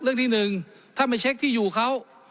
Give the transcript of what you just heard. เรื่องที่หนึ่งท่านไปเช็คที่อยู่เขา